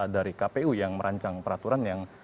dari kpu yang merancang peraturan yang